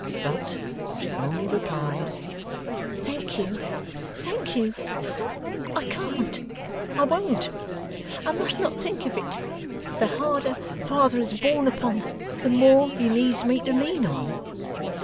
But, she only replied, 'Thank you, thank you! I can't. I won't. I must not think of it. The harder father is borne upon, the more he needs me to lean on.